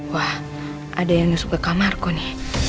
wah ada yang masuk ke kamarku nih